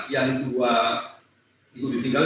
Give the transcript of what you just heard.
yang dua itu ditinggal